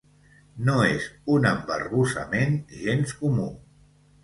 No és un embarbussament gens comú.